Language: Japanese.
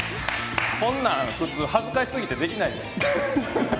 こんなん普通恥ずかしすぎてできない。